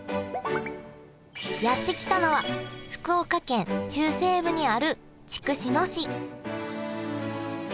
やって来たのは福岡県中西部にある筑紫野市